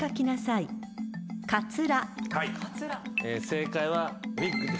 正解は。